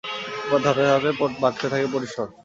এরপর ধাপে ধাপে বাড়তে থাকে পরিসর।